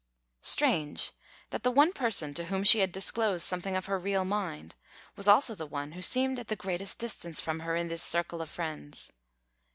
Strange that the one person to whom she had disclosed something of her real mind was also the one who seemed at the greatest distance from her in this circle of friends.